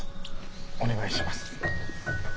お願いします。